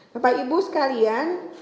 bapak ibu sekalian